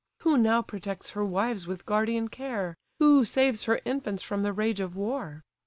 Who now protects her wives with guardian care? Who saves her infants from the rage of war?